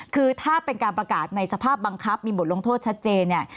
คือถ้าเป็นการประกาศในสภาพบังคับมีบทลงโทษชัดเจนเนี่ย